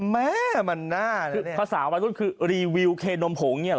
แม้มันหน้าภาษาวันต้นคือรีวิวเคนมนมโผงเนี่ยเหรอ